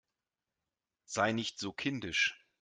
Sei nicht so kindisch!